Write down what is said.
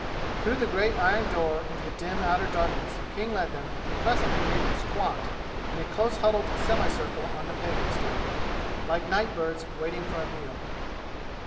Through the great iron door into dim outer darkness King led them and presently made them squat in a close huddled semicircle on the paving stones, like night birds waiting for a meal.